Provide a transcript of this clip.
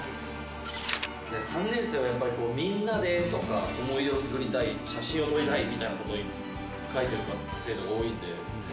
「３年生はやっぱり“みんなで”とか“思い出を作りたい”“写真を撮りたい”みたいな事を書いてる生徒が多いので」